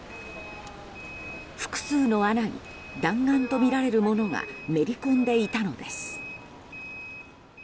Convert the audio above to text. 複数の穴に弾丸とみられるものがめり込んでいたのです。